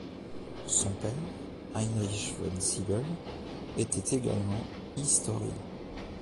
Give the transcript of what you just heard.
Son père, Heinrich von Sybel, était également historien.